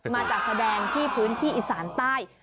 มาจัดแสดงที่พื้นที่อีสานใต้